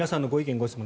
・ご質問